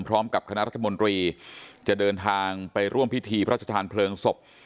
พร้อมกับคณะรัฐมนตรีจะเดินทางไปร่วมพิธีพระชธานเพลิงศพ